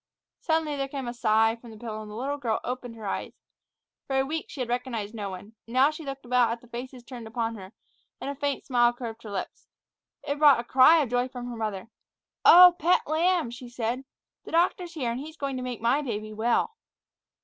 Suddenly there came a sigh from the pillow, and the little girl opened her eyes. For a week she had recognized no one. Now she looked about at the faces turned upon her, and a faint smile curved her lips. It brought a cry of joy from her mother. "Oh, pet lamb," she said, "the doctor's here, and he's going to make my baby well."